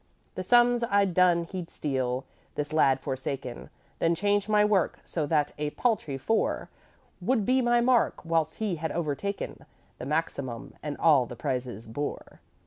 "'The sums I'd done he'd steal, this lad forsaken, Then change my work, so that a paltry four Would be my mark, whilst he had overtaken The maximum and all the prizes bore.